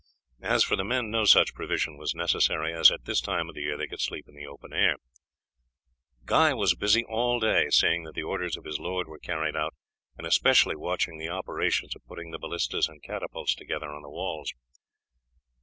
As for the men, no such provision was necessary, as at this time of the year they could sleep in the open air. Guy was busy all day seeing that the orders of his lord were carried out, and especially watching the operations of putting the ballistas and catapults together on the walls.